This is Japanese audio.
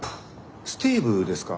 スティーブですか？